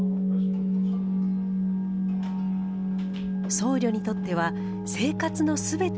僧侶にとっては生活のすべてが修行。